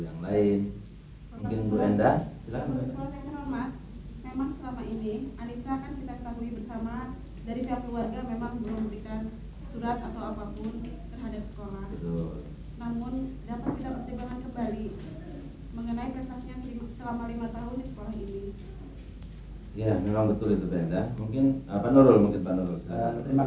jaga ibu mu baik baik